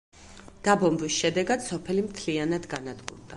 დაბომბვის შედეგად სოფელი მთლიანად განადგურდა.